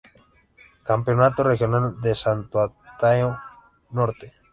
Campeonato regional de Santo Antão Norte